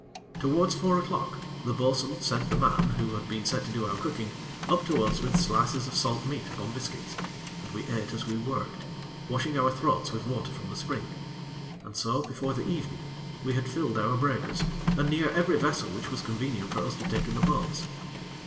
Towards four o'clock, the bo'sun sent the man, who had been set to do our cooking, up to us with slices of salt meat upon biscuits, and we ate as we worked, washing our throats with water from the spring, and so, before the evening, we had filled our breakers, and near every vessel which was convenient for us to take in the boats.